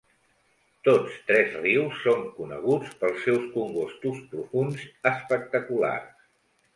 Tots tres rius són coneguts pels seus congostos profunds espectaculars.